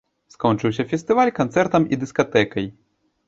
Скончыўся фестываль канцэртам і дыскатэкай.